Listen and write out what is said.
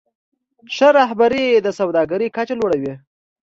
ښه رهبري د سوداګرۍ کچه لوړوي.